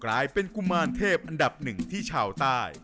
กลายเป็นกุมารเทพอันดับหนึ่งที่ชาวใต้